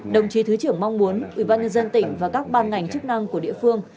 đồng chí thứ trưởng mong muốn ubnd tỉnh và các ban ngành chức năng của địa phương